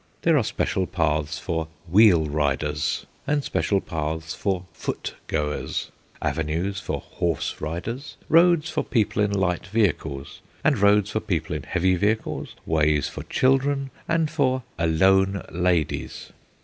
There are special paths for "wheel riders" and special paths for "foot goers," avenues for "horse riders," roads for people in light vehicles, and roads for people in heavy vehicles; ways for children and for "alone ladies."